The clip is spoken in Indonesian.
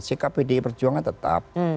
sikap pdip berjuangan tetap